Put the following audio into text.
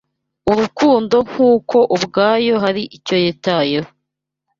Urukundo ntkuko ubwayo hari icyo yitayeho